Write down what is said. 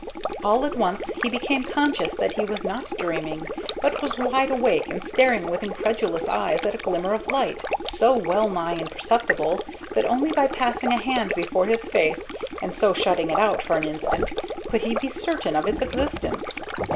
All at once he became conscious that he was not dreaming, but was wide awake and staring with incredulous eyes at a glimmer of light, so wellnigh imperceptible that only by passing a hand before his face and so shutting it out for an instant could he be certain of its existence.